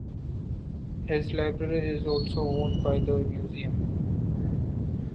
His library is also owned by the museum.